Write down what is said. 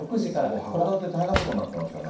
もう、函館大変なことになってましたよね。